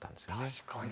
確かに。